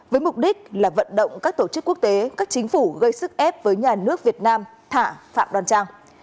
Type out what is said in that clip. với mục đích là vận động các tổ chức quốc tế các chính phủ gây sức ép với nhà nước việt nam thả phạm đoàn trang